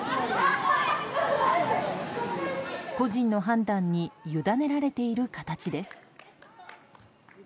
個人の判断にゆだねられている形です。